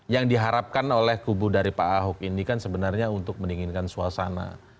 yang diharapkan oleh kubu dari pak ahok ini kan sebenarnya untuk mendinginkan suasana